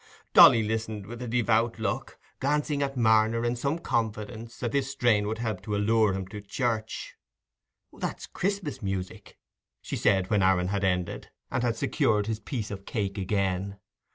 Dolly listened with a devout look, glancing at Marner in some confidence that this strain would help to allure him to church. "That's Christmas music," she said, when Aaron had ended, and had secured his piece of cake again.